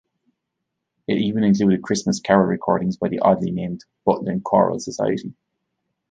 It even included Christmas carol recordings by the oddly named Butlin Choral Society.